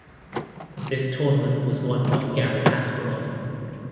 This tournament was won by Garry Kasparov.